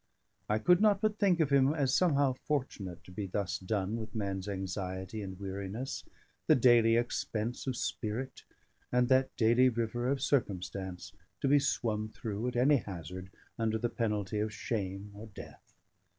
I could not but think of him as somehow fortunate to be thus done with man's anxiety and weariness, the daily expense of spirit, and that daily river of circumstance to be swum through, at any hazard, under the penalty of shame or death.